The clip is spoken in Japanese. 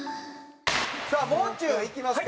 さあもう中いきますか。